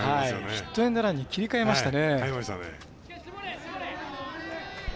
ヒットエンドランに切り替えましたね。